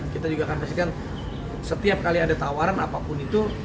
kita juga akan pastikan setiap kali ada tawaran apapun itu